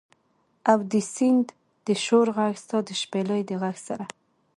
او د سیند د شور ږغ، ستا د شپیلۍ د ږغ سره